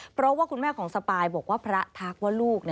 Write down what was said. เพราะว่าคุณแม่ของสปายบอกว่าพระทักว่าลูก